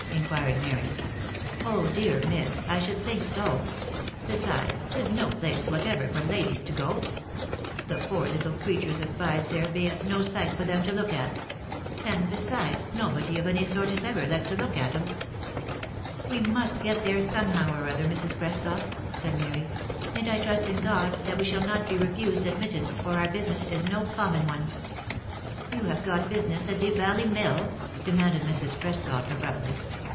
inquired Mary. " Oh dear yes, miss ! I should think so ! Besides, 'tis no place whatever for ladies to go to. The poor little creturs as bides there bean't no sight for them to look at; and, besides, nobody of any sort is ever let to look at 'em." " We must get there, somehow or other, Mrs. Prescot," said Mary ;" and I trust in God that we shall not be refused admittance, for our business is no common one." " You have got business at Deep Valley Mill?" demanded Mrs. Prescot, abruptly.